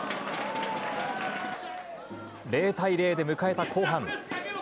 ０対０で迎えた後半。